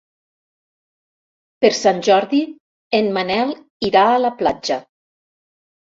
Per Sant Jordi en Manel irà a la platja.